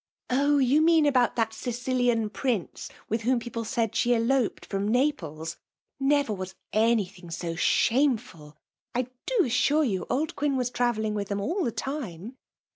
" Oh ! you mean about that Sicilian Prince, with whom people said she eloped from Naples. — ^Never was anything so shameful 1 I do assure you old Quin was travelling with them all the time.